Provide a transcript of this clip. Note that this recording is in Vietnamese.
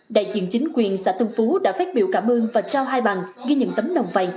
đại diện chính quyền xã tân phú đã phát biểu cảm ơn và trao hai bàn ghi nhận tấm nồng vay